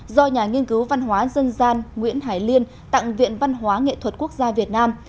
do nhà nghiên cứu văn hóa dân gian nguyễn hải liên tặng viện văn hóa nghệ thuật quốc gia việt nam